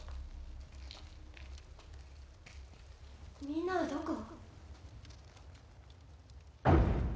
みんなはどこ？